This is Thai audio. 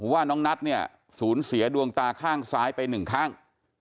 ว่าน้องนัทสูญเสียดวงตาข้างซ้ายไป๑ครั้ง